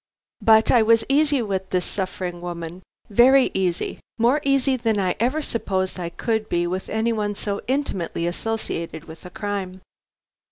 But I was easy with this suffering woman, very easy, more easy than I ever supposed I could be with any one so intimately associated with crime.